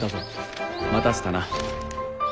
待たせたな。